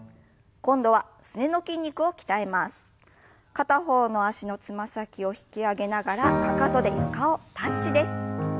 片方の脚のつま先を引き上げながらかかとで床をタッチです。